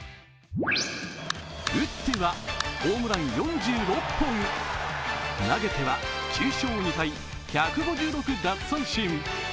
打ってはホームラン４６本、投げては９勝２敗、１５６奪三振。